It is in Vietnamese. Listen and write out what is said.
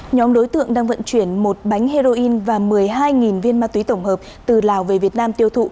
nhóm đối tượng đang vận chuyển một bánh heroin và một mươi hai viên ma túy tổng hợp từ lào về việt nam tiêu thụ